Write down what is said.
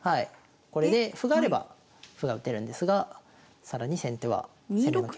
これで歩があれば歩が打てるんですが更に先手は攻めの継続が。